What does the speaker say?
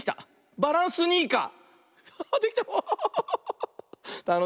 「バランスニーカー」！